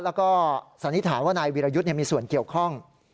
แล้วก็สันนิษฐานว่านายวิรยุทธ์มีส่วนเกี่ยวข้อง